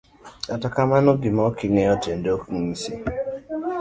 Kata kamano, gima okingeyo tiende ok ng'isi tiende.